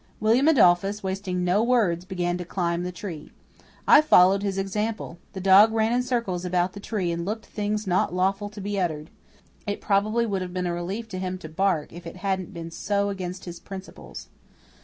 William Adolphus, wasting no words, began to climb the tree. I followed his example. The dog ran in circles about the tree and looked things not lawful to be uttered. It probably would have been a relief to him to bark if it hadn't been so against his principles.